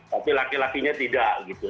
tapi laki lakinya tidak gitu